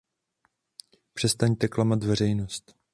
Přestaňte klamat veřejnost.